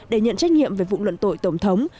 để nhận trách nhiệm về vụ luận tội tổng thống